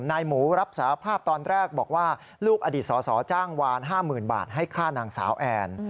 นายหมูรับสารภาพตอนแรกบอกว่าลูกอดีตสอจ้างวาน๕๐๐๐บาทให้ฆ่านางสาวแอน